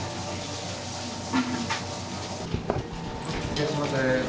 いらっしゃいませ。